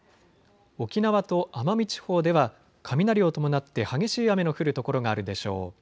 沖縄と奄美地方では雷を伴って激しい雨の降る所があるでしょう。